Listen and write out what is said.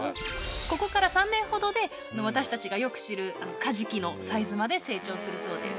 ここから３年ほどで私たちがよく知るカジキのサイズまで成長するそうです。